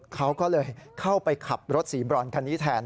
เขาก็เลยเข้าไปขับรถสีบรอนคันนี้แทน